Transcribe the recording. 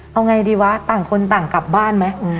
เอาไงดีวะต่างคนต่างกลับบ้านไหม